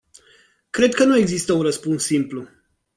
Cred că nu există un răspuns simplu.